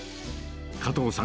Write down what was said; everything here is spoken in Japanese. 加藤さん